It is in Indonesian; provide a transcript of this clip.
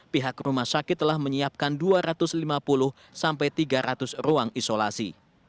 pihak rumah sakit telah menyiapkan dua ratus lima puluh sampai tiga ratus ruang isolasi